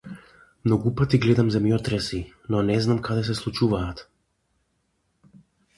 Многу пати гледам земјотреси, но не знам каде се случуваат.